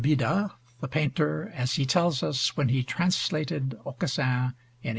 Bida, the painter, as he tells us when he translated Aucassin in 1870.